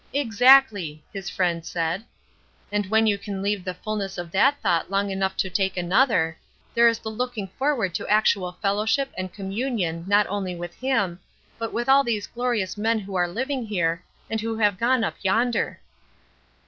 "Exactly!" his friend said; "and when you can leave the fullness of that thought long enough to take another, there is the looking forward to actual fellowship and communion not only with him, but with all these glorious men who are living here, and who have gone up yonder."